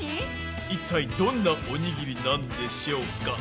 一体どんなおにぎりなんでしょうか？